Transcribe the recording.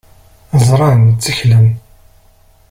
Ẓran, tteklen.